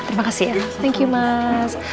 terima kasih ya thank you mas